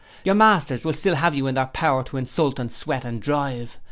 Your masters will still have you in their power to insult and sweat and drive.